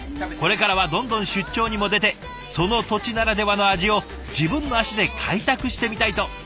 これからはどんどん出張にも出てその土地ならではの味を自分の足で開拓してみたいと。